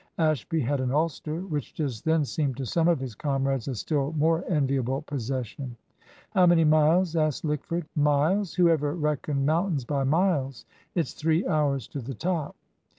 Ashby had an ulster, which just then seemed to some of his comrades a still more enviable possession. "How many miles?" asked Lickford. "Miles? Who ever reckoned mountains by miles? It's three hours to the top."